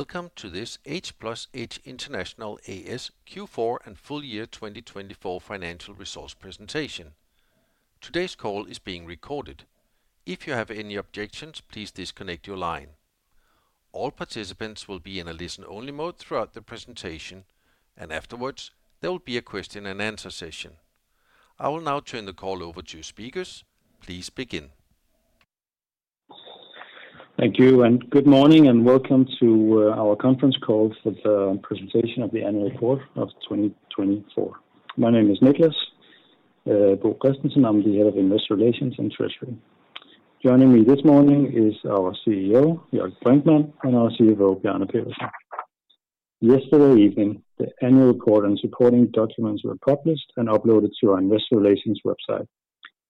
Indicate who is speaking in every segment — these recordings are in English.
Speaker 1: Welcome to this H+H International A/S Q4 and Full Year 2024 Financial Resource Presentation. Today's call is being recorded. If you have any objections, please disconnect your line. All participants will be in a listen-only mode throughout the presentation, and afterwards there will be a question-and-answer session. I will now turn the call over to your speakers. Please begin.
Speaker 2: Thank you, and good morning, and welcome to our conference call for the presentation of the annual report of 2024. My name is Niclas Bo Kristensen. I'm the Head of Investor Relations and Treasury. Joining me this morning is our CEO, Jörg Brinkmann, and our CFO, Bjarne Pedersen. Yesterday evening, the annual report and supporting documents were published and uploaded to our investor relations website,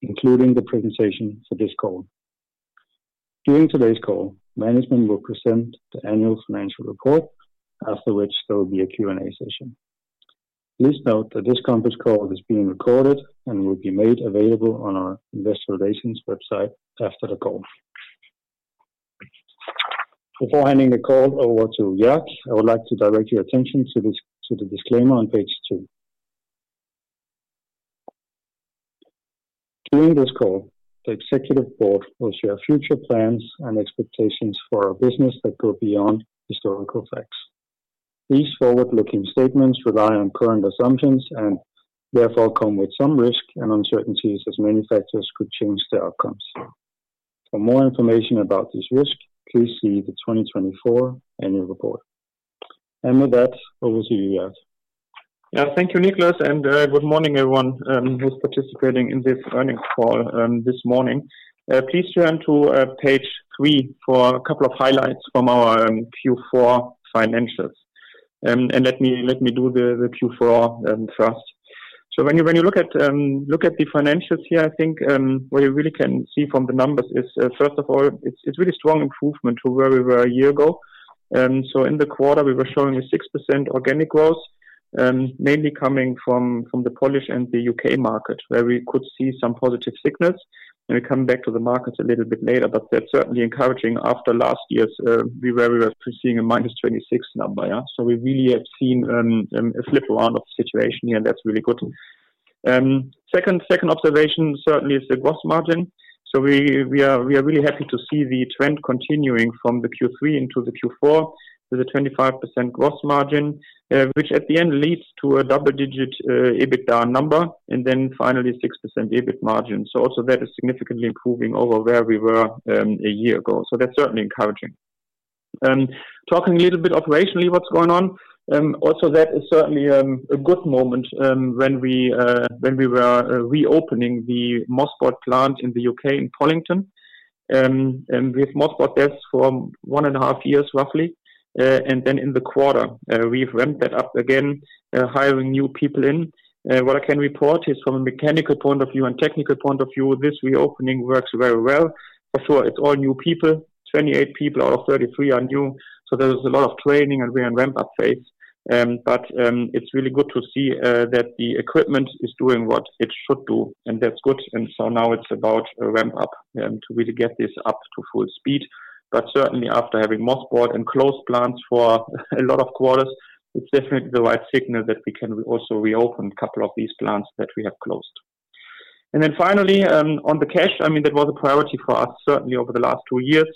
Speaker 2: including the presentation for this call. During today's call, management will present the annual financial report, after which there will be a Q&A session. Please note that this conference call is being recorded and will be made available on our investor relations website after the call. Before handing the call over to Jörg, I would like to direct your attention to the disclaimer on page two. During this call, the executive board will share future plans and expectations for our business that go beyond historical facts. These forward-looking statements rely on current assumptions and therefore come with some risk and uncertainties as many factors could change the outcomes. For more information about these risks, please see the 2024 annual report. With that, over to you, Jörg.
Speaker 3: Yeah, thank you, Niclas, and good morning, everyone who's participating in this earnings call this morning. Please turn to page 3 for a couple of highlights from our Q4 financials. Let me do the Q4 first. When you look at the financials here, I think what you really can see from the numbers is, first of all, it's really strong improvement to where we were a year ago. In the quarter, we were showing a 6% organic growth, mainly coming from the Polish and the U.K. market, where we could see some positive signals. We'll come back to the markets a little bit later, but that's certainly encouraging after last year's where we were seeing a -26% number. We really have seen a flip around of the situation here, and that's really good. Second observation certainly is the gross margin. We are really happy to see the trend continuing from the Q3 into the Q4 with a 25% gross margin, which at the end leads to a double-digit EBITDA number, and finally a 6% EBIT margin. That is significantly improving over where we were a year ago. That is certainly encouraging. Talking a little bit operationally, what's going on? That is certainly a good moment when we were reopening the mothballed plant in the U.K. in Pollington. We have had mothballed there for one and a half years, roughly. In the quarter, we ramped that up again, hiring new people in. What I can report is, from a mechanical point of view and technical point of view, this reopening works very well. Of course, it's all new people. 28 people out of thirty-three are new. There was a lot of training and we ramped up phase. It is really good to see that the equipment is doing what it should do, and that is good. Now it is about a ramp-up to really get this up to full speed. Certainly, after having mothballed and closed plants for a lot of quarters, it is definitely the right signal that we can also reopen a couple of these plants that we have closed. Finally, on the cash, I mean, that was a priority for us certainly over the last two years.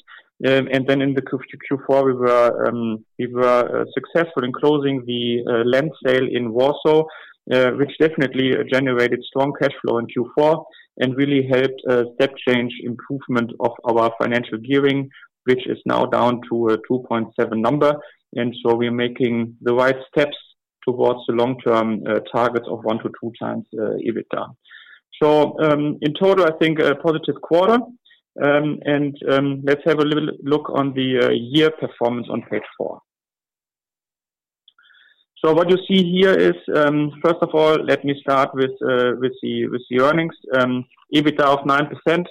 Speaker 3: In Q4, we were successful in closing the land sale in Warsaw, which definitely generated strong cash flow in Q4 and really helped that change improvement of our financial gearing, which is now down to a 2.7x number. We are making the right steps towards the long-term targets of 1x to 2x EBITDA. In total, I think a positive quarter. Let's have a little look on the year performance on page four. What you see here is, first of all, let me start with the earnings. EBITDA of 9%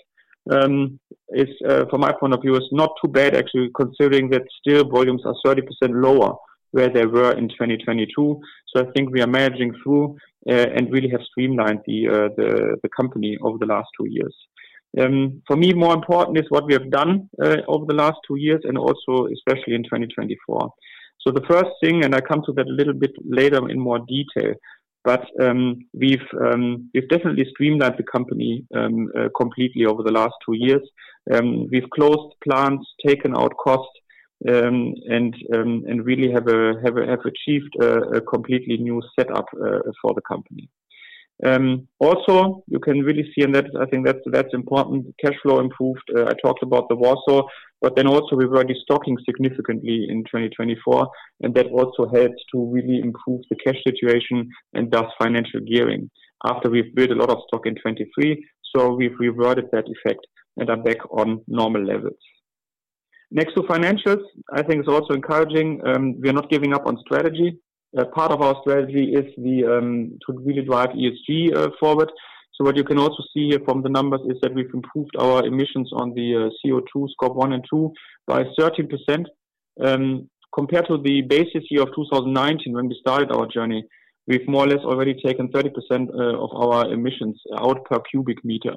Speaker 3: is, from my point of view, not too bad, actually, considering that still volumes are 30% lower where they were in 2022. I think we are managing through and really have streamlined the company over the last two years. For me, more important is what we have done over the last two years and also especially in 2024. The first thing, and I come to that a little bit later in more detail, but we have definitely streamlined the company completely over the last two years. We've closed plants, taken out costs, and really have achieved a completely new setup for the company. Also, you can really see in that, I think that's important, cash flow improved. I talked about the Warsaw, but then also we were restocking significantly in 2024, and that also helps to really improve the cash situation and thus financial gearing after we've built a lot of stock in 2023. We've reverted that effect and are back on normal levels. Next to financials, I think it's also encouraging. We are not giving up on strategy. Part of our strategy is to really drive ESG forward. What you can also see here from the numbers is that we've improved our emissions on the CO2 Scope 1 and 2 by 30%. Compared to the basis year of 2019, when we started our journey, we've more or less already taken 30% of our emissions out per cubic meter.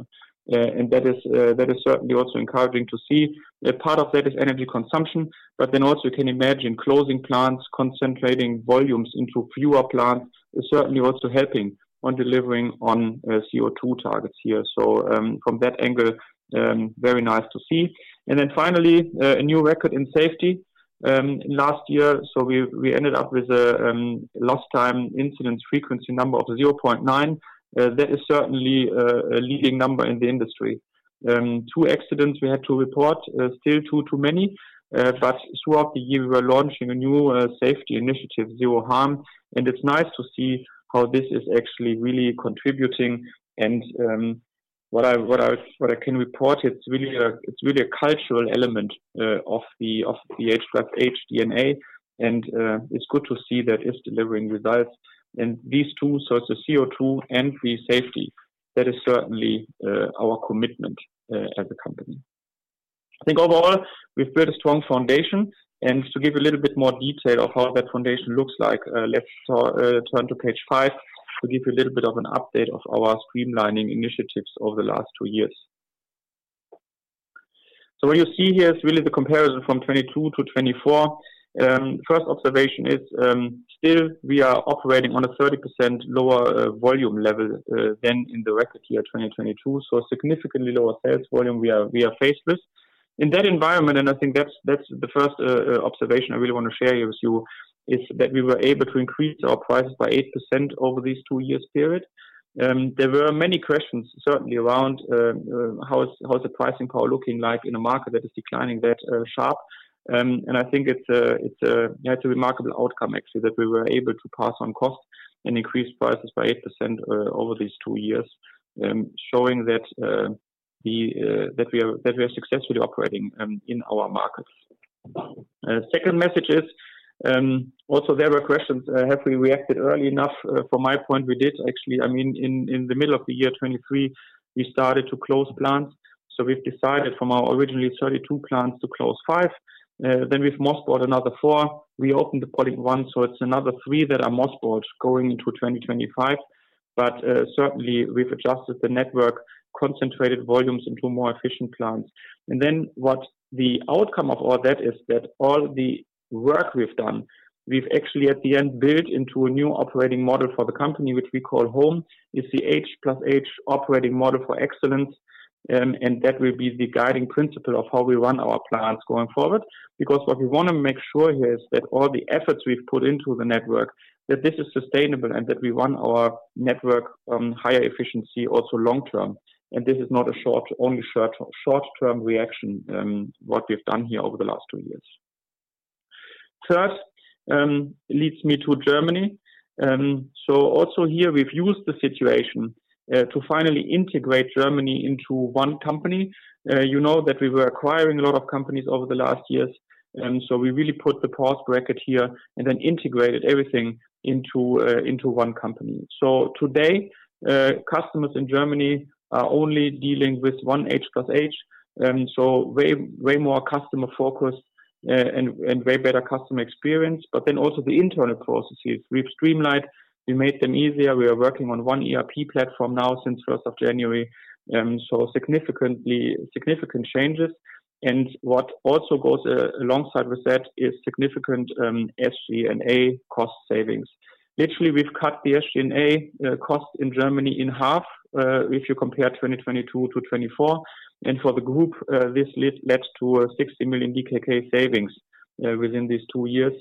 Speaker 3: That is certainly also encouraging to see. Part of that is energy consumption, but you can imagine closing plants, concentrating volumes into fewer plants, is certainly also helping on delivering on CO2 targets here. From that angle, very nice to see. Finally, a new record in safety. Last year, we ended up with a lost time incidents frequency number of 0.9. That is certainly a leading number in the industry. Two accidents we had to report, still too many, but throughout the year, we were launching a new safety initiative, Zero Harm. It's nice to see how this is actually really contributing. What I can report, it's really a cultural element of the H+H DNA, and it's good to see that it's delivering results. These two, so it's the CO2 and the safety, that is certainly our commitment as a company. I think overall, we've built a strong foundation. To give you a little bit more detail of how that foundation looks like, let's turn to page 5 to give you a little bit of an update of our streamlining initiatives over the last two years. What you see here is really the comparison from 2022 to 2024. First observation is still we are operating on a 30% lower volume level than in the record year 2022. Significantly lower sales volume we are faced with. In that environment, and I think that's the first observation I really want to share with you, is that we were able to increase our prices by 8% over these two years' period. There were many questions certainly around how is the pricing power looking like in a market that is declining that sharp. I think it's a remarkable outcome, actually, that we were able to pass on cost and increase prices by 8% over these two years, showing that we are successfully operating in our markets. Second message is also there were questions, have we reacted early enough? From my point, we did, actually. I mean, in the middle of the year 2023, we started to close plants. We decided from our originally 32 plants to close five. We have mothballed another four. We opened the Pollington one, so it's another three that are most probably going into 2025. Certainly, we've adjusted the network, concentrated volumes into more efficient plants. What the outcome of all that is that all the work we've done, we've actually at the end built into a new operating model for the company, which we call HOME, is the H+H Operating Model for Excellence. That will be the guiding principle of how we run our plants going forward. What we want to make sure here is that all the efforts we've put into the network, that this is sustainable and that we run our network at higher efficiency also long term. This is not a short-term reaction to what we've done here over the last two years. Third leads me to Germany. Here, we've used the situation to finally integrate Germany into one company. You know that we were acquiring a lot of companies over the last years. We really put the pause bracket here and then integrated everything into one company. Today, customers in Germany are only dealing with one H+H. Way more customer focus and way better customer experience. Also, the internal processes, we've streamlined, we made them easier. We are working on one ERP platform now since January 1. Significant changes. What also goes alongside with that is significant SG&A cost savings. Literally, we've cut the SG&A cost in Germany in half if you compare 2022 to 2024. For the group, this led to 60 million DKK savings within these two years,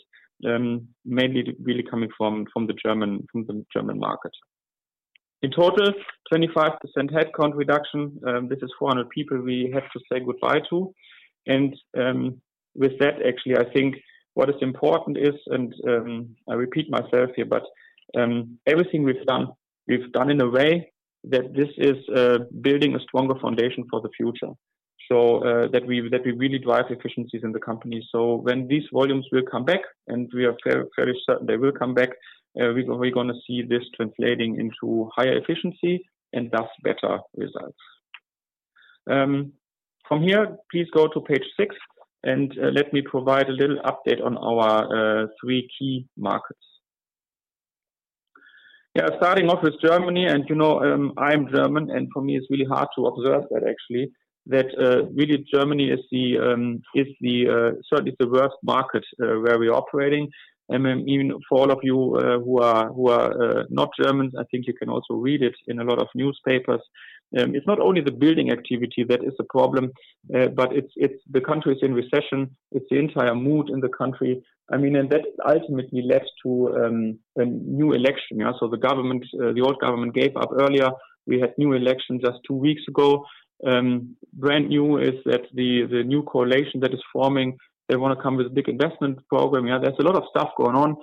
Speaker 3: mainly really coming from the German market. In total, 25% headcount reduction. This is 400 people we had to say goodbye to. What is important is, and I repeat myself here, everything we've done, we've done in a way that this is building a stronger foundation for the future. That way we really drive efficiencies in the company. When these volumes will come back, and we are fairly certain they will come back, we're going to see this translating into higher efficiency and thus better results. From here, please go to page six and let me provide a little update on our three key markets. Yeah, starting off with Germany, and you know I'm German, and for me, it's really hard to observe that actually, that really Germany is certainly the worst market where we're operating. For all of you who are not Germans, I think you can also read it in a lot of newspapers. It's not only the building activity that is the problem, but the country is in recession. It's the entire mood in the country. I mean, that ultimately led to a new election. The government, the old government, gave up earlier. We had new elections just two weeks ago. Brand new is that the new coalition that is forming wants to come with a big investment program. There's a lot of stuff going on.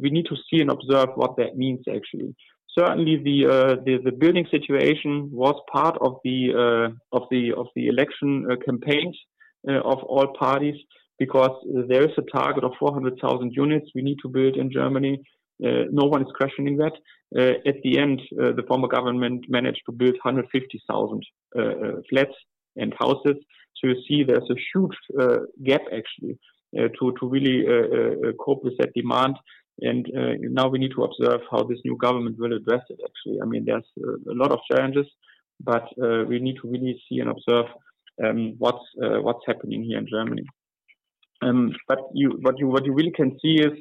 Speaker 3: We need to see and observe what that means, actually. Certainly, the building situation was part of the election campaigns of all parties because there is a target of 400,000 units we need to build in Germany. No one is questioning that. At the end, the former government managed to build 150,000 flats and houses. You see there is a huge gap, actually, to really cope with that demand. Now we need to observe how this new government will address it, actually. I mean, there are a lot of challenges, but we need to really see and observe what is happening here in Germany. What you really can see is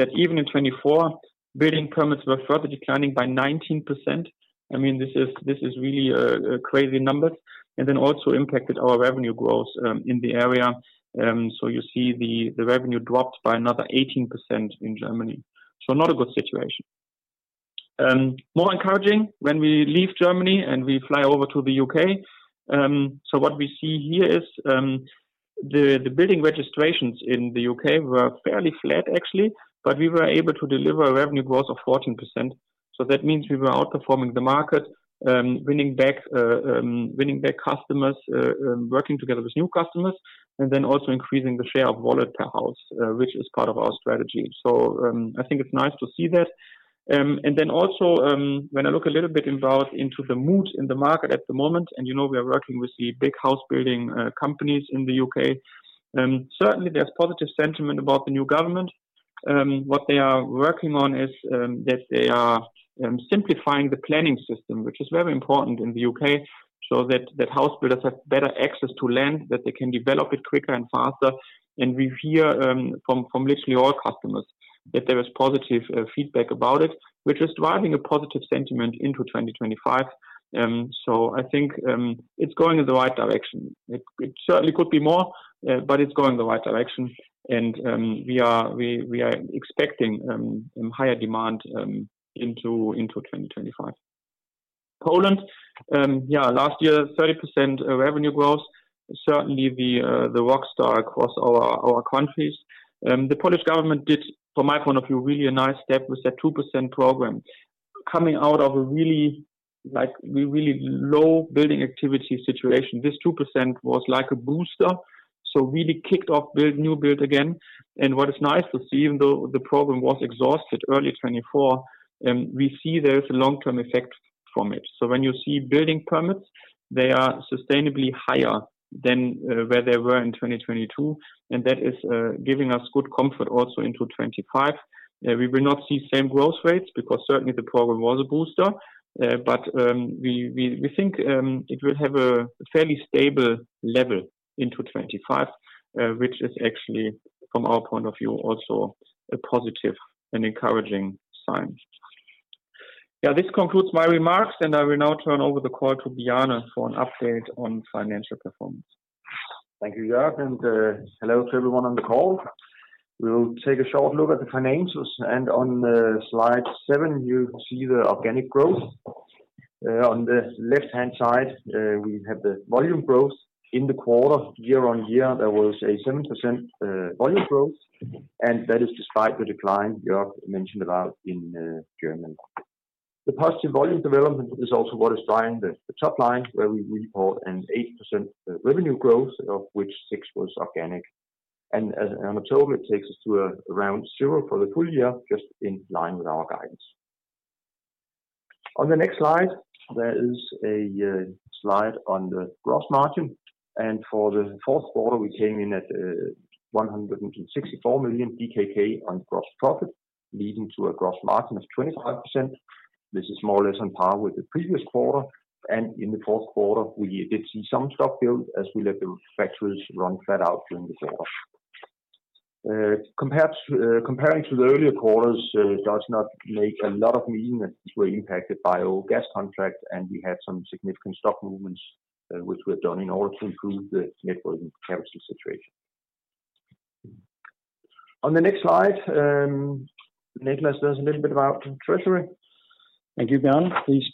Speaker 3: that even in 2024, building permits were further declining by 19%. I mean, these are really crazy numbers. That also impacted our revenue growth in the area. You see the revenue dropped by another 18% in Germany. Not a good situation. More encouraging when we leave Germany and we fly over to the U.K. What we see here is the building registrations in the U.K. were fairly flat, actually, but we were able to deliver a revenue growth of 14%. That means we were outperforming the market, winning back customers, working together with new customers, and also increasing the share of volatile houses, which is part of our strategy. I think it's nice to see that. Also, when I look a little bit into the mood in the market at the moment, and you know we are working with the big house building companies in the U.K., certainly there's positive sentiment about the new government. What they are working on is that they are simplifying the planning system, which is very important in the U.K., so that house builders have better access to land, that they can develop it quicker and faster. We hear from literally all customers that there is positive feedback about it, which is driving a positive sentiment into 2025. I think it's going in the right direction. It certainly could be more, but it's going in the right direction. We are expecting higher demand into 2025. Poland, yeah, last year, 30% revenue growth, certainly the rockstar across our countries. The Polish government did, from my point of view, really a nice step with that 2% program. Coming out of a really low building activity situation, this 2% was like a booster. It really kicked off, built new build again. What is nice to see, even though the program was exhausted early 2024, we see there's a long-term effect from it. When you see building permits, they are sustainably higher than where they were in 2022. That is giving us good comfort also into 2025. We will not see same growth rates because certainly the program was a booster. We think it will have a fairly stable level into 2025, which is actually, from our point of view, also a positive and encouraging sign. Yeah, this concludes my remarks, and I will now turn over the call to Bjarne for an update on financial performance.
Speaker 4: Thank you, Jörg, and hello to everyone on the call. We'll take a short look at the financials. On slide seven, you see the organic growth. On the left-hand side, we have the volume growth in the quarter. Year on year, there was a 7% volume growth, and that is despite the decline Jörg mentioned about in Germany. The positive volume development is also what is driving the top line, where we report an 8% revenue growth, of which 6% was organic. On a total, it takes us to around zero for the full year, just in line with our guidance. On the next slide, there is a slide on the gross margin. For the fourth quarter, we came in at 164 million on gross profit, leading to a gross margin of 25%. This is more or less on par with the previous quarter. In the fourth quarter, we did see some stock build as we let the factories run flat out during the quarter. Comparing to the earlier quarters, it does not make a lot of meaning that we were impacted by oil gas contracts, and we had some significant stock movements, which we have done in order to improve the networking capital situation. On the next slide, Niclas, there is a little bit about Treasury.
Speaker 2: Thank you, Bjarne. Please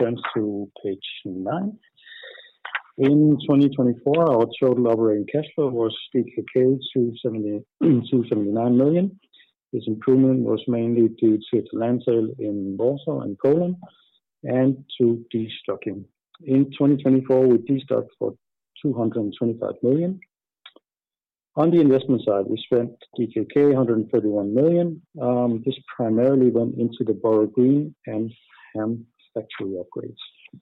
Speaker 2: turn to page 9. In 2024, our total operating cash flow was DKK 279 million. This improvement was mainly due to land sale in Warsaw and Poland and to destocking. In 2024, we destocked for 225 million. On the investment side, we spent DKK 131 million. This primarily went into the Borough Green and tax relief upgrades.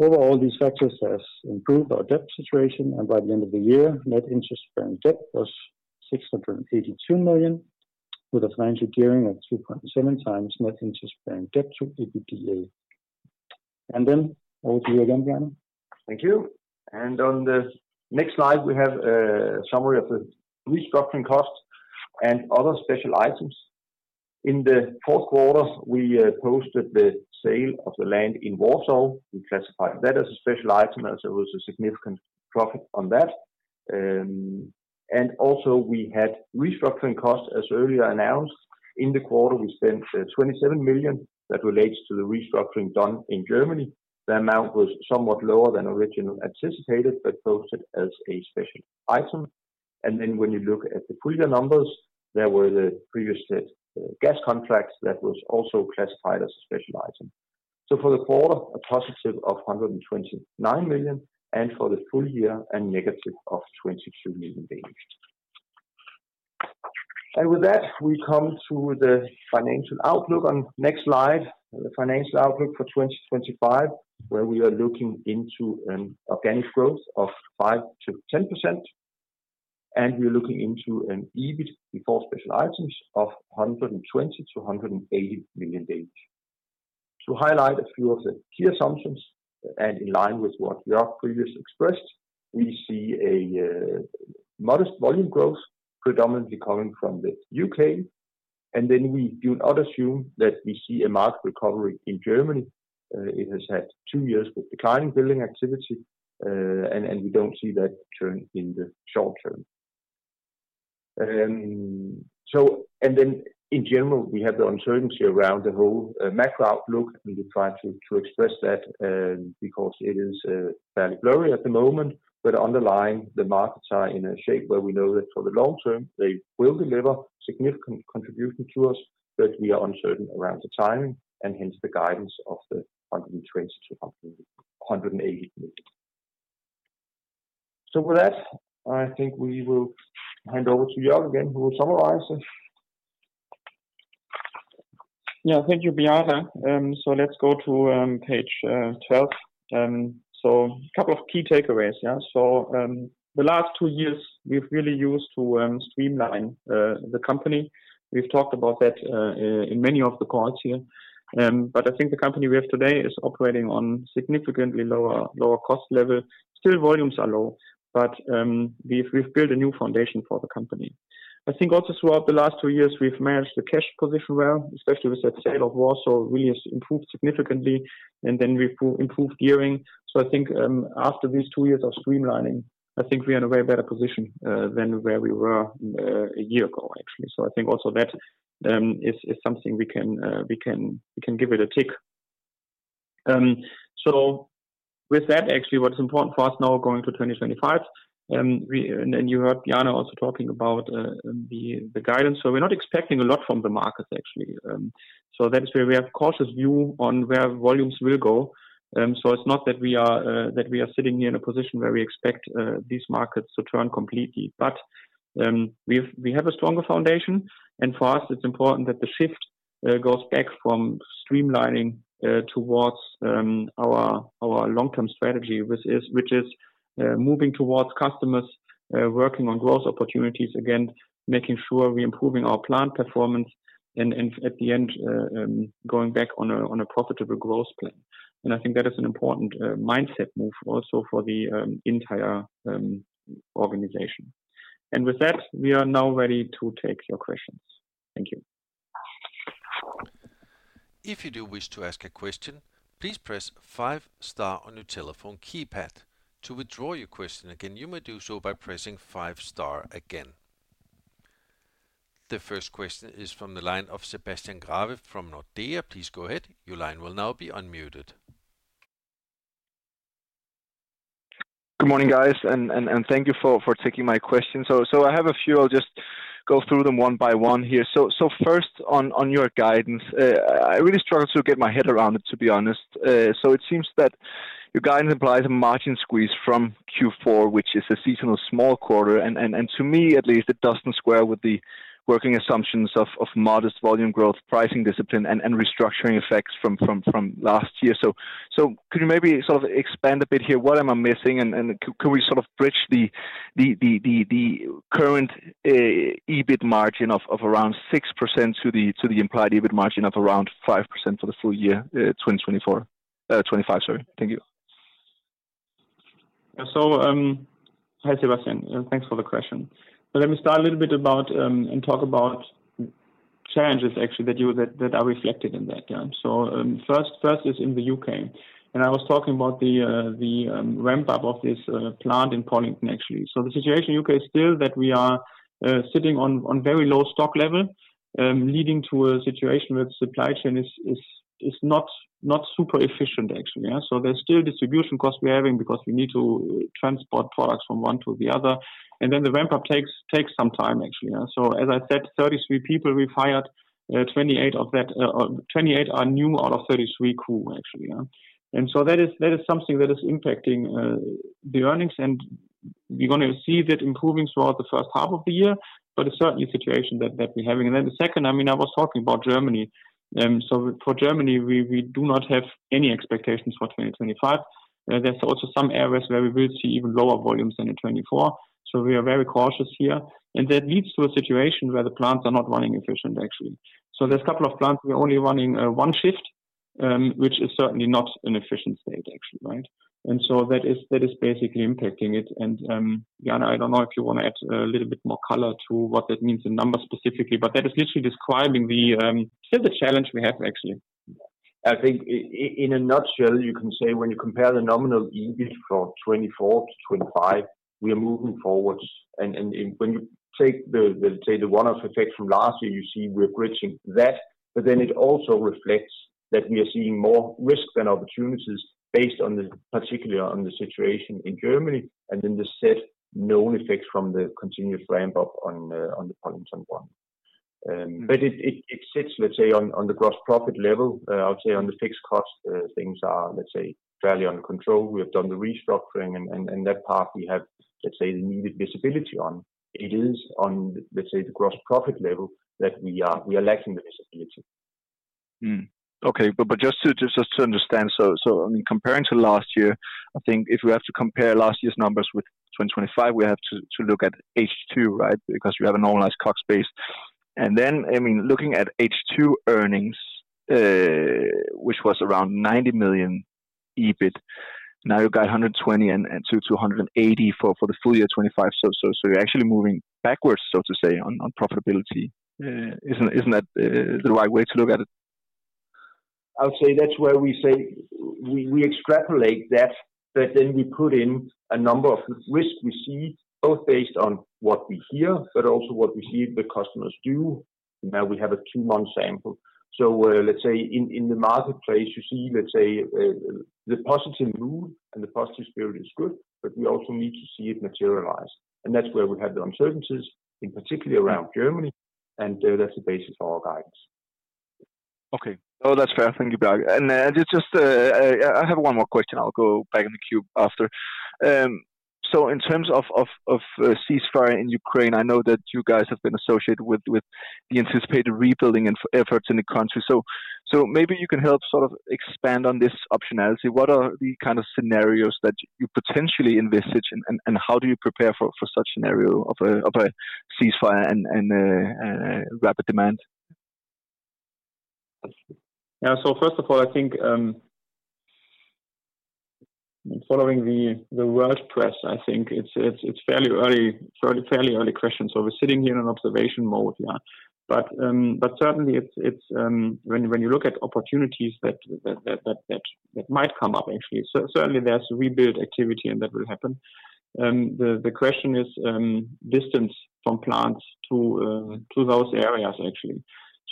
Speaker 2: Overall, these factors have improved our debt situation, and by the end of the year, net interest bearing debt was 682 million, with a financial gearing of 2.7x net interest bearing debt to EBITDA. Over to you again, Bjarne.
Speaker 4: Thank you. On the next slide, we have a summary of the restructuring costs and other special items. In the fourth quarter, we posted the sale of the land in Warsaw. We classify that as a special item, as there was a significant profit on that. Also, we had restructuring costs, as earlier announced. In the quarter, we spent 27 million that relates to the restructuring done in Germany. The amount was somewhat lower than originally anticipated, but posted as a special item. When you look at the previous numbers, there were the previous gas contracts that were also classified as a special item. For the quarter, a positive of 129 million, and for the full year, a negative of 22 million yearly. With that, we come to the financial outlook on the next slide, the financial outlook for 2025, where we are looking into an organic growth of 5%-10%. We are looking into an EBIT before special items of 120 million-180 million yearly. To highlight a few of the key assumptions, and in line with what Jörg previously expressed, we see a modest volume growth, predominantly coming from the U.K. We do not assume that we see a marked recovery in Germany. It has had two years with declining building activity, and we do not see that turn in the short term. In general, we have the uncertainty around the whole macro outlook, and we try to express that because it is fairly blurry at the moment. Underlying, the markets are in a shape where we know that for the long term, they will deliver significant contribution to us, but we are uncertain around the timing and hence the guidance of the 120 million-180 million. With that, I think we will hand over to Jörg again, who will summarize.
Speaker 3: Yeah, thank you, Bjarne. Let's go to page 12. A couple of key takeaways. The last two years, we've really used to streamline the company. We've talked about that in many of the calls here. I think the company we have today is operating on a significantly lower cost level. Still, volumes are low, but we've built a new foundation for the company. I think also throughout the last two years, we've managed the cash position well, especially with the sale of Warsaw, which really has improved significantly. We have improved gearing. I think after these two years of streamlining, I think we are in a way better position than where we were a year ago, actually. I think also that is something we can give it a tick. With that, actually, what's important for us now going to 2025, and you heard Bjarne also talking about the guidance. We are not expecting a lot from the market, actually. That is where we have a cautious view on where volumes will go. It is not that we are sitting here in a position where we expect these markets to turn completely, but we have a stronger foundation. For us, it's important that the shift goes back from streamlining towards our long-term strategy, which is moving towards customers, working on growth opportunities again, making sure we're improving our plant performance, and at the end, going back on a profitable growth plan. I think that is an important mindset move also for the entire organization. With that, we are now ready to take your questions. Thank you.
Speaker 1: If you do wish to ask a question, please press five star on your telephone keypad. To withdraw your question again, you may do so by pressing five star again. The first question is from the line of Sebastian Grave from Nordea. Please go ahead. Your line will now be unmuted.
Speaker 5: Good morning, guys, and thank you for taking my question. I have a few. I'll just go through them one by one here. First, on your guidance, I really struggle to get my head around it, to be honest. It seems that your guidance implies a margin squeeze from Q4, which is a seasonal small quarter. To me, at least, it does not square with the working assumptions of modest volume growth, pricing discipline, and restructuring effects from last year. Could you maybe sort of expand a bit here? What am I missing? Could we sort of bridge the current EBIT margin of around 6% to the implied EBIT margin of around 5% for the full year, 2024-2025? Thank you.
Speaker 3: Hi, Sebastian. Thanks for the question. Let me start a little bit and talk about challenges, actually, that are reflected in that. First is in the U.K. I was talking about the ramp-up of this plant in Pollington, actually. The situation in the U.K. is still that we are sitting on very low stock level, leading to a situation where the supply chain is not super efficient, actually. There are still distribution costs we're having because we need to transport products from one to the other. The ramp-up takes some time, actually. As I said, 33 people we fired, 28 of that, 28 are new out of 33 crew, actually. That is something that is impacting the earnings. We're going to see that improving throughout the first half of the year, but it's certainly a situation that we're having. I was talking about Germany. For Germany, we do not have any expectations for 2025. There are also some areas where we will see even lower volumes than in 2024. We are very cautious here. That leads to a situation where the plants are not running efficient, actually. There are a couple of plants where we are only running one shift, which is certainly not an efficient state, actually, right? That is basically impacting it. Bjarne, I do not know if you want to add a little bit more color to what that means in numbers specifically, but that is literally describing still the challenge we have, actually.
Speaker 4: I think in a nutshell, you can say when you compare the nominal EBIT from 2024 to 2025, we are moving forwards. When you take the one-off effect from last year, you see we are bridging that. It also reflects that we are seeing more risks than opportunities based particularly on the situation in Germany and the set known effects from the continuous ramp-up on the Pollington one. It sits, let's say, on the gross profit level. I would say on the fixed cost, things are, let's say, fairly under control. We have done the restructuring, and that part we have, let's say, the needed visibility on. It is on, let's say, the gross profit level that we are lacking the visibility.
Speaker 5: Okay, but just to understand, so I mean, comparing to last year, I think if we have to compare last year's numbers with 2025, we have to look at H2, right? Because we have a normalized cost base. And then, I mean, looking at H2 earnings, which was around 90 million EBIT, now you've got 120 million and 280 million for the full year 2025. So you're actually moving backwards, so to say, on profitability. Isn't that the right way to look at it?
Speaker 4: I would say that's where we say we extrapolate that, but then we put in a number of risks we see, both based on what we hear, but also what we see the customers do. Now we have a two-month sample. Let's say in the marketplace, you see, let's say, the positive mood and the positive spirit is good, but we also need to see it materialize. That's where we have the uncertainties, in particular around Germany, and that's the basis for our guidance.
Speaker 5: Okay, no, that's fair. Thank you, Bjarne. I have one more question. I'll go back in the queue after. In terms of ceasefire in Ukraine, I know that you guys have been associated with the anticipated rebuilding efforts in the country. Maybe you can help sort of expand on this optionality. What are the kind of scenarios that you potentially envisage, and how do you prepare for such a scenario of a ceasefire and rapid demand?
Speaker 3: Yeah, first of all, I think following the world press, I think it's fairly early questions. We're sitting here in an observation mode, yeah. Certainly, when you look at opportunities that might come up, actually, certainly there's rebuild activity, and that will happen. The question is distance from plants to those areas, actually.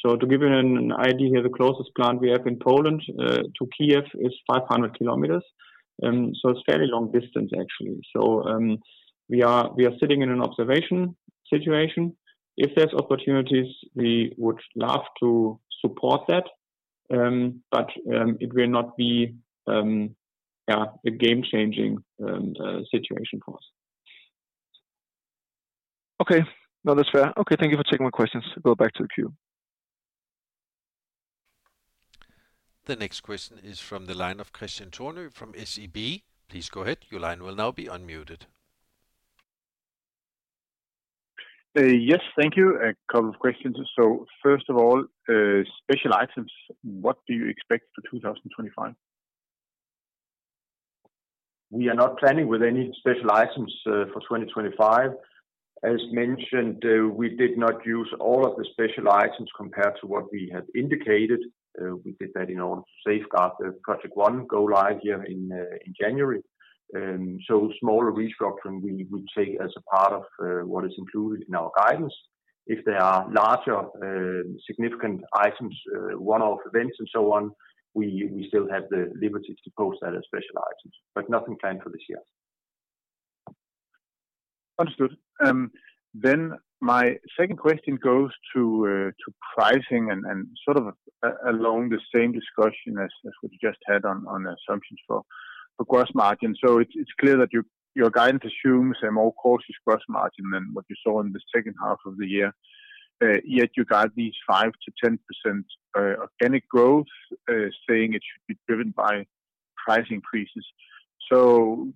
Speaker 3: To give you an idea here, the closest plant we have in Poland to Kyiv is 500 km. It's a fairly long distance, actually. We are sitting in an observation situation. If there's opportunities, we would love to support that, but it will not be a game-changing situation for us.
Speaker 5: Okay, no, that's fair. Okay, thank you for taking my questions. Go back to the queue.
Speaker 1: The next question is from the line of Kristian Tornøe from SEB. Please go ahead. Your line will now be unmuted.
Speaker 6: Yes, thank you. A couple of questions. First of all, special items, what do you expect for 2025?
Speaker 4: We are not planning with any special items for 2025. As mentioned, we did not use all of the special items compared to what we had indicated. We did that in order to safeguard the Project ONE go live here in January. Smaller restructuring we take as a part of what is included in our guidance. If there are larger significant items, one-off events, and so on, we still have the liberty to post that as special items, but nothing planned for this year.
Speaker 6: Understood. My second question goes to pricing and sort of along the same discussion as we just had on assumptions for gross margin. It is clear that your guidance assumes more cautious gross margin than what you saw in the second half of the year. Yet you got these 5%-10% organic growth, saying it should be driven by price increases. Can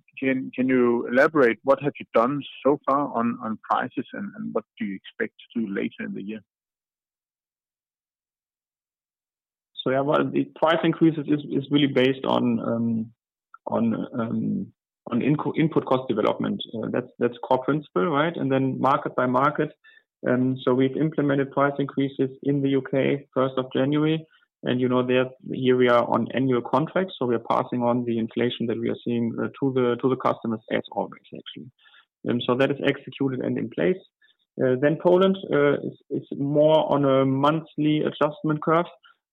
Speaker 6: you elaborate what have you done so far on prices and what do you expect to do later in the year?
Speaker 3: Price increases are really based on input cost development. That is the core principle, right? Then market by market. We have implemented price increases in the U.K., 1st of January. Here we are on annual contracts, so we are passing on the inflation that we are seeing to the customers as always, actually. That is executed and in place. In Poland, it is more on a monthly adjustment curve,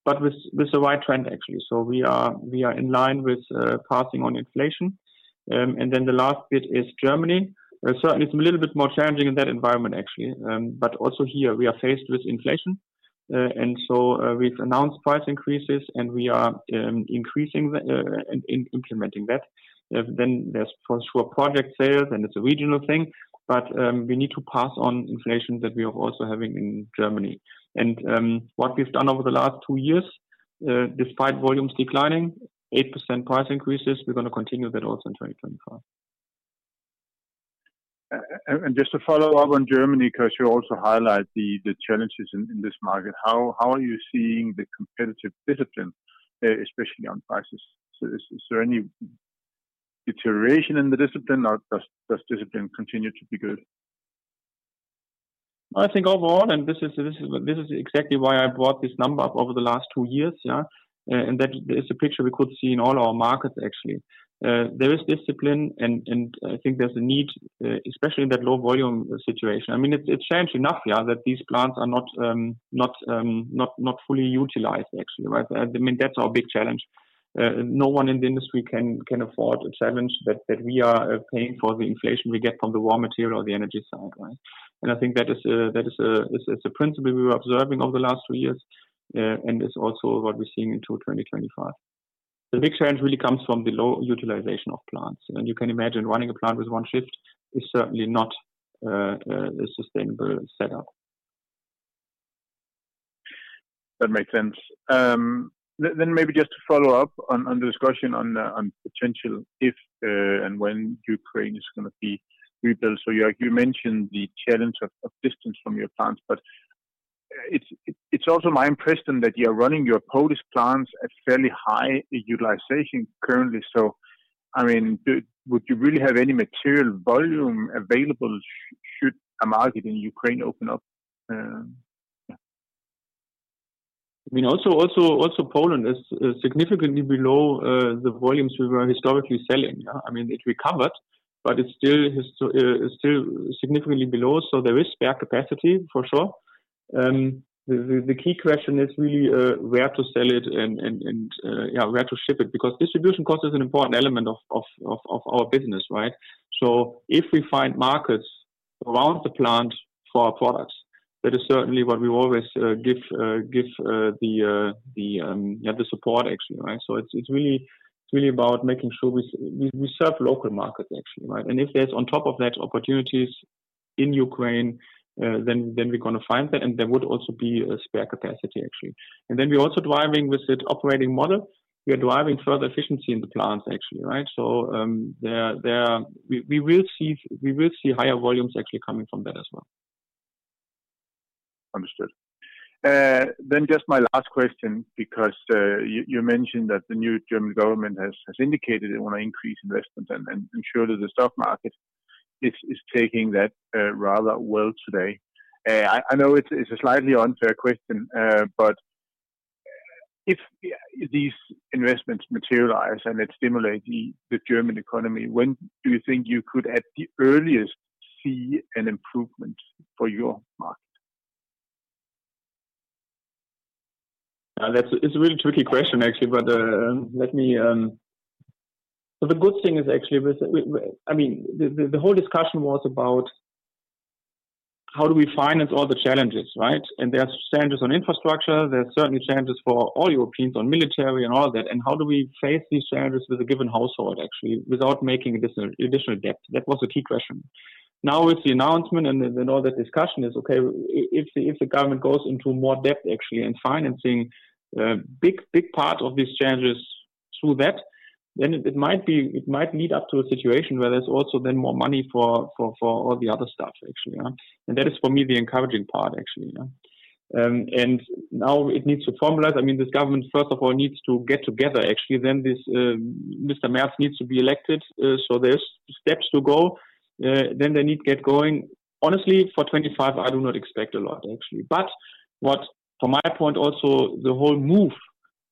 Speaker 3: but with the right trend, actually. We are in line with passing on inflation. The last bit is Germany. Certainly, it is a little bit more challenging in that environment, actually. Also here, we are faced with inflation. We have announced price increases, and we are increasing and implementing that. There is for sure project sales, and it is a regional thing, but we need to pass on inflation that we are also having in Germany. What we have done over the last two years, despite volumes declining, is 8% price increases. We are going to continue that also in 2024.
Speaker 6: Just to follow up on Germany, because you also highlight the challenges in this market, how are you seeing the competitive discipline, especially on prices? Is there any deterioration in the discipline, or does discipline continue to be good?
Speaker 3: I think overall, and this is exactly why I brought this number over the last two years, yeah, and that is a picture we could see in all our markets, actually. There is discipline, and I think there's a need, especially in that low volume situation. I mean, it's changed enough, yeah, that these plants are not fully utilized, actually, right? I mean, that's our big challenge. No one in the industry can afford a challenge that we are paying for the inflation we get from the raw material or the energy side, right? I think that is a principle we were observing over the last two years, and it's also what we're seeing into 2025. The big challenge really comes from the low utilization of plants. You can imagine running a plant with one shift is certainly not a sustainable setup.
Speaker 6: That makes sense. Maybe just to follow up on the discussion on potential if and when Ukraine is going to be rebuilt. You mentioned the challenge of distance from your plants, but it's also my impression that you're running your Polish plants at fairly high utilization currently. I mean, would you really have any material volume available should a market in Ukraine open up?
Speaker 3: I mean, also Poland is significantly below the volumes we were historically selling. It recovered, but it's still significantly below. There is spare capacity, for sure. The key question is really where to sell it and where to ship it, because distribution cost is an important element of our business, right? If we find markets around the plant for our products, that is certainly what we always give the support, actually, right? It is really about making sure we serve local markets, actually, right? If there are, on top of that, opportunities in Ukraine, then we are going to find that, and there would also be spare capacity, actually. We are also driving with the operating model. We are driving further efficiency in the plants, actually, right? We will see higher volumes, actually, coming from that as well.
Speaker 6: Understood. Just my last question, because you mentioned that the new German government has indicated they want to increase investments, and surely the stock market is taking that rather well today. I know it is a slightly unfair question, but if these investments materialize and it stimulates the German economy, when do you think you could, at the earliest, see an improvement for your market?
Speaker 3: It's a really tricky question, actually, but let me—so the good thing is, actually, I mean, the whole discussion was about how do we finance all the challenges, right? There's challenges on infrastructure. There's certainly challenges for all Europeans on military and all that. How do we face these challenges with a given household, actually, without making additional debt? That was the key question. Now with the announcement and all that discussion is, okay, if the government goes into more debt, actually, and financing a big part of these challenges through that, it might lead up to a situation where there's also then more money for all the other stuff, actually. That is, for me, the encouraging part, actually. Now it needs to formalize. I mean, this government, first of all, needs to get together, actually. Mr. Merz needs to be elected. There are steps to go. They need to get going. Honestly, for 2025, I do not expect a lot, actually. What, from my point, also the whole move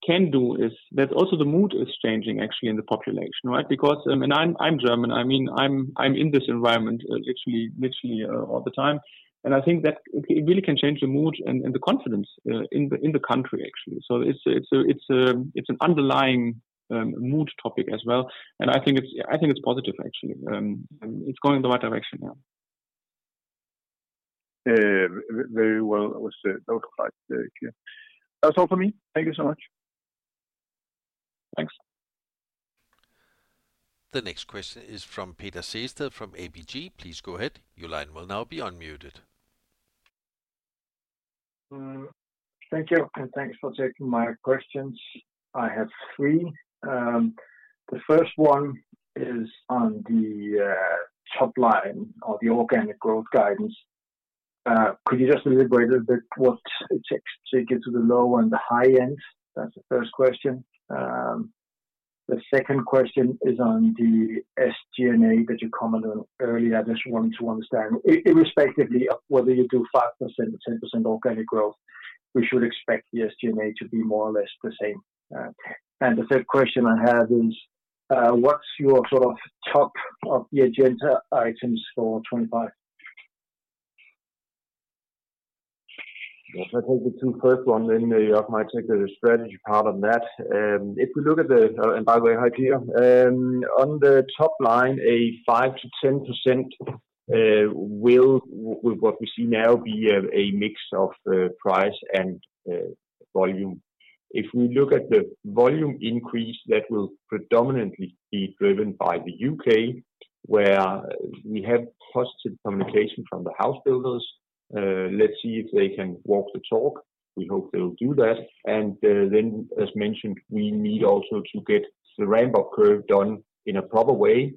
Speaker 3: can do is that also the mood is changing, actually, in the population, right? I am German. I mean, I am in this environment, literally, literally all the time. I think that it really can change the mood and the confidence in the country, actually. It is an underlying mood topic as well. I think it is positive, actually. It is going in the right direction now.
Speaker 6: Very well. That was the note of life. That is all for me. Thank you so much.
Speaker 1: The next question is from Peter Sehested from ABG. Please go ahead. Your line will now be unmuted.
Speaker 7: Thank you. Thanks for taking my questions. I have three. The first one is on the top line of the organic growth guidance. Could you just elaborate a little bit what it takes to get to the lower and the high end? That's the first question. The second question is on the SG&A that you commented on earlier. I just wanted to understand, irrespectively of whether you do 5% or 10% organic growth, we should expect the SG&A to be more or less the same. The third question I have is, what's your sort of top of the agenda items for 2025?
Speaker 4: Yes, I think it's the first one. You have my technical strategy part on that. If we look at the—by the way, hi, Peter. On the top line, a 5%-10% will, with what we see now, be a mix of price and volume. If we look at the volume increase, that will predominantly be driven by the U.K., where we have positive communication from the house builders. Let's see if they can walk the talk. We hope they'll do that. As mentioned, we need also to get the ramp-up curve done in a proper way,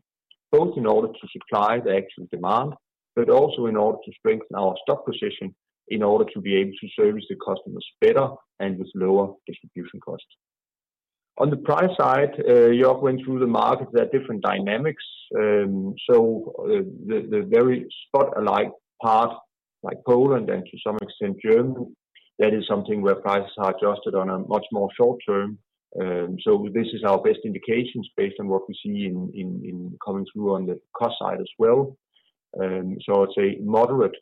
Speaker 4: both in order to supply the actual demand, but also in order to strengthen our stock position in order to be able to service the customers better and with lower distribution costs. On the price side, you're going through the market. There are different dynamics. The very spotlight part, like Poland and to some extent Germany, that is something where prices are adjusted on a much more short term. This is our best indications based on what we see coming through on the cost side as well. I'd say moderate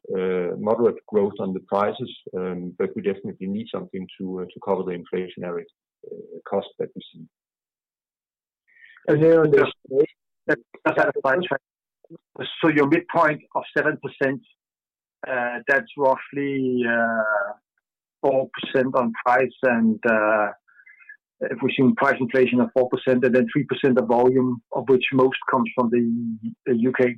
Speaker 4: growth on the prices, but we definitely need something to cover the inflationary costs that we see.
Speaker 7: Your midpoint of 7%, that's roughly 4% on price. If we're seeing price inflation of 4%, and then 3% of volume, of which most comes from the U.K.?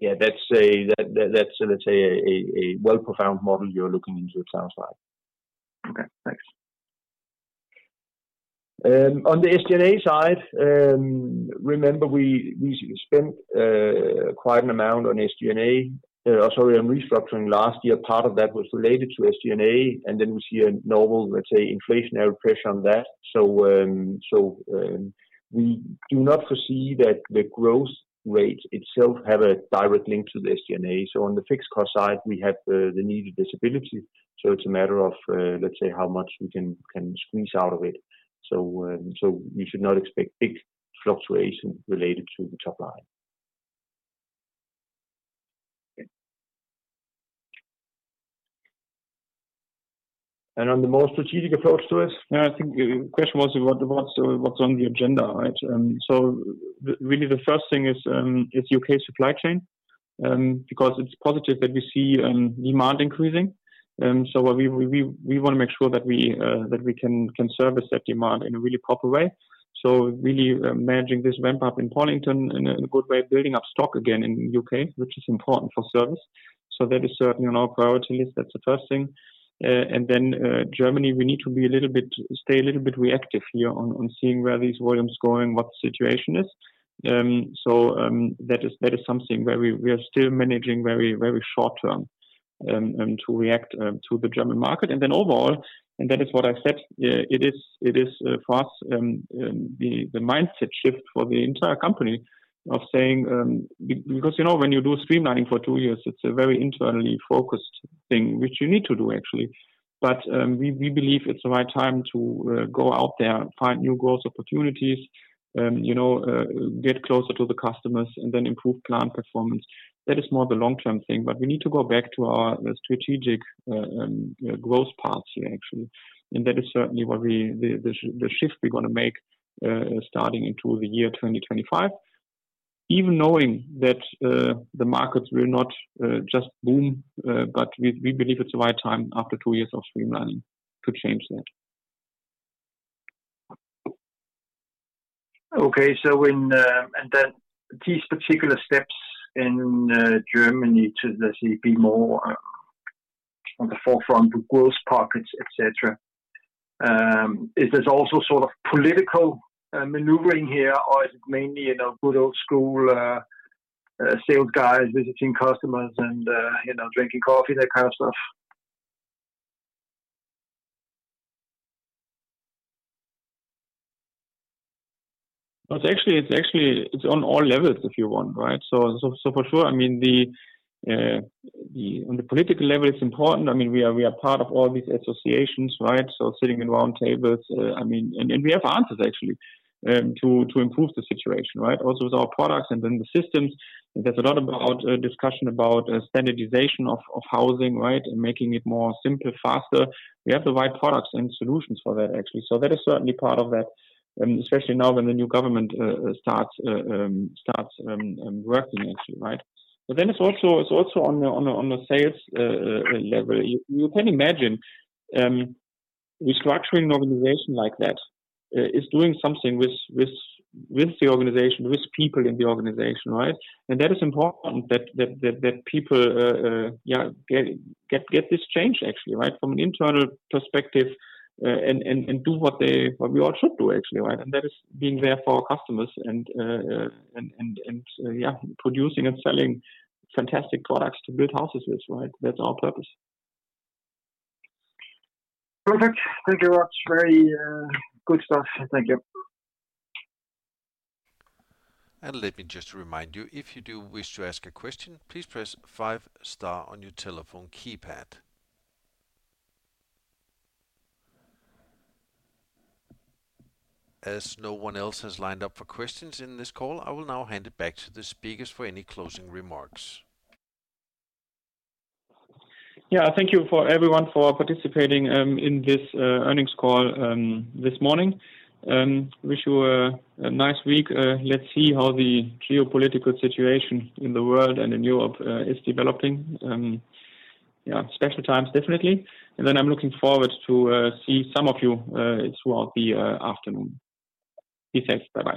Speaker 4: That's going to say a well-profound model you're looking into at some point.
Speaker 7: Okay, thanks.
Speaker 4: On the SG&A side, remember we spent quite an amount on SG&A, sorry, on restructuring last year. Part of that was related to SG&A, and then we see a novel, let's say, inflationary pressure on that. We do not foresee that the growth rate itself has a direct link to the SG&A. On the fixed cost side, we have the needed disability. It's a matter of, let's say, how much we can squeeze out of it. You should not expect big fluctuation related to the top line.
Speaker 3: On the more strategic approach to this, yeah, I think the question was about what's on the agenda, right? The first thing is the U.K. supply chain, because it's positive that we see demand increasing. We want to make sure that we can service that demand in a really proper way. Really managing this ramp-up in Pollington in a good way, building up stock again in the U.K., which is important for service. That is certainly on our priority list. That's the first thing. In Germany, we need to be a little bit, stay a little bit reactive here on seeing where these volumes are going, what the situation is. That is something where we are still managing very short term to react to the German market. Overall, and that is what I said, it is for us the mindset shift for the entire company of saying, because when you do streamlining for two years, it's a very internally focused thing, which you need to do, actually. We believe it's the right time to go out there, find new growth opportunities, get closer to the customers, and then improve plant performance. That is more of a long-term thing, but we need to go back to our strategic growth path here, actually. That is certainly the shift we're going to make starting into the year 2025, even knowing that the markets will not just boom, but we believe it's the right time after two years of streamlining to change that.
Speaker 7: Okay, so when and then these particular steps in Germany to let's say be more on the forefront of growth pockets, et cetera, is this also sort of political maneuvering here, or is it mainly good old school sales guy visiting customers and drinking coffee, that kind of stuff?
Speaker 3: It is actually on all levels, if you want, right? For sure, I mean, on the political level, it is important. I mean, we are part of all these associations, right? Sitting in round tables, I mean, and we have answers, actually, to improve the situation, right? Also with our products and then the systems. There is a lot of discussion about standardization of housing, right, and making it more simple, faster. We have the right products and solutions for that, actually. That is certainly part of that, especially now when the new government starts working, actually, right? It is also on the sales level. You can imagine restructuring an organization like that is doing something with the organization, with people in the organization, right? That is important that people get this change, actually, right, from an internal perspective and do what we all should do, actually, right? That is being there for our customers and, yeah, producing and selling fantastic products to build houses with, right? That is our purpose.
Speaker 7: Perfect. Thank you very much. Very good stuff. Thank you.
Speaker 1: Let me just remind you, if you do wish to ask a question, please press five star on your telephone keypad. As no one else has lined up for questions in this call, I will now hand it back to the speakers for any closing remarks.
Speaker 3: Yeah, thank you for everyone for participating in this earnings call this morning. Wish you a nice week. Let's see how the geopolitical situation in the world and in Europe is developing. Yeah, special times, definitely. I am looking forward to seeing some of you throughout the afternoon. Be safe. Bye.